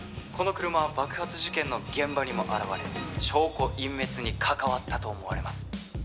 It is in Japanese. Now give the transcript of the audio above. この車は爆発事件の現場にも現れ証拠隠滅に関わったと思われます